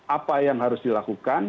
apa yang harus dilakukan